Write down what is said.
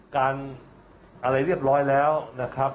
อะไรเรียบร้อยแล้วนะครับ